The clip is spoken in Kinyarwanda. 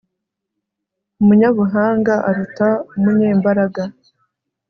umunyabuhanga aruta umunyembaraga